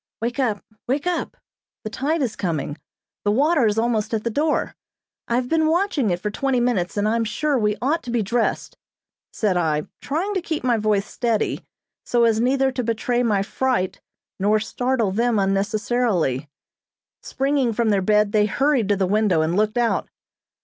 "Wake up! Wake up! The tide is coming, the water is almost at the door! I have been watching it for twenty minutes, and I'm sure we ought to be dressed," said I, trying to keep my voice steady so as neither to betray my fright nor startle them unnecessarily. Springing from their bed they hurried to the window and looked out.